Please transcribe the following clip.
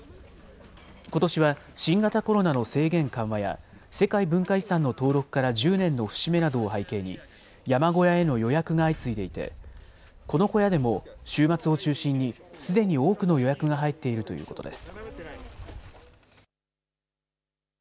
ことしは新型コロナの制限緩和や、世界文化遺産の登録から１０年の節目などを背景に、山小屋への予約が相次いでいて、この小屋でも、週末を中心にすでに多くの予約が入っているということです。